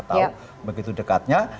sama sama tahu begitu dekatnya